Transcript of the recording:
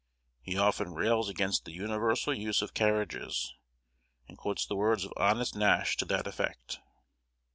He often rails against the universal use of carriages, and quotes the words of honest Nashe to that effect.